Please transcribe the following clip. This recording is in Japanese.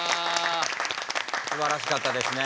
すばらしかったですね。